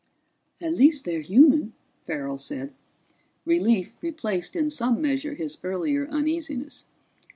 "At least they're human," Farrell said. Relief replaced in some measure his earlier uneasiness.